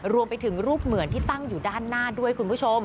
รวมไปถึงรูปเหมือนที่ตั้งอยู่ด้านหน้าด้วยคุณผู้ชม